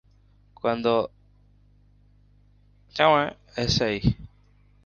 Cuando "六" es seis.